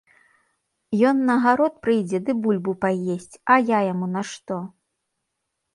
Ён на гарод прыйдзе ды бульбу паесць, а я яму на што?